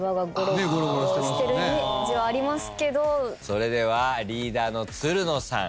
それではリーダーのつるのさん